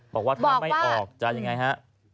บอกว่าถ้าไม่ออกจะยังไงฮะ